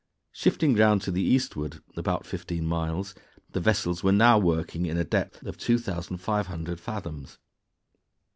Shifting ground to the eastward about fifteen miles, the vessels were now working in a depth of 2,500 fathoms.